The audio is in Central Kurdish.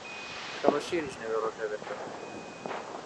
کەڵەشێریش نەبێت ڕۆژ ئەبێتەوە